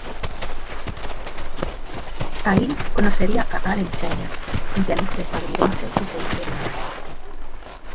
Ahí conocería a Allen Tanner, un pianista estadounidense, y se hicieron amantes.